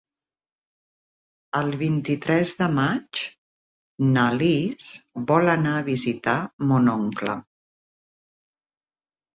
El vint-i-tres de maig na Lis vol anar a visitar mon oncle.